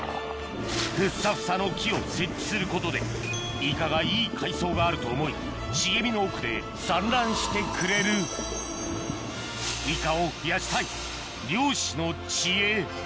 フッサフサの木を設置することでイカがいい海藻があると思い茂みの奥で産卵してくれるイカを増やしたい漁師の知恵